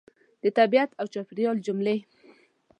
د طبیعت او چاپېریال جملې